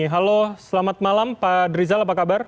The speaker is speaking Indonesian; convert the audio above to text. halo selamat malam pak drizal apa kabar